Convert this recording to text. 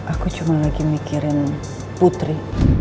aku cuma lagi mikirin putri